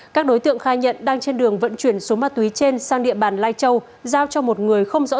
các đối tượng khai nhận đang trên đường vận chuyển số ma túy trên sang địa bàn lai châu